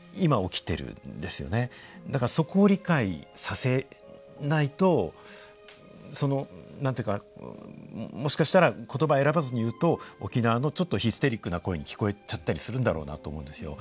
だからそこを理解させないとその何と言うかもしかしたら言葉選ばずに言うと沖縄のちょっとヒステリックな声に聞こえちゃったりするんだろうなと思うんですよ。